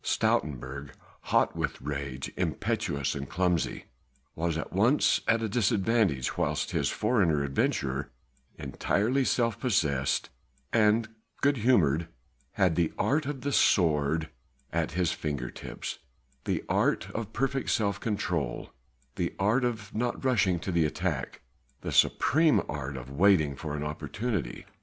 Stoutenburg, hot with rage, impetuous and clumsy, was at once at a disadvantage whilst this foreign adventurer, entirely self possessed and good humoured, had the art of the sword at his finger tips the art of perfect self control, the art of not rushing to the attack, the supreme art of waiting for an opportunity.